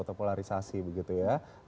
otopolarisasi begitu ya